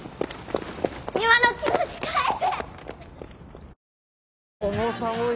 今の気持ち返せ！